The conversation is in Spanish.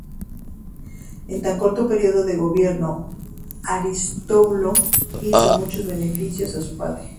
En tan corto período de gobierno, Aristóbulo hizo muchos beneficios a su patria.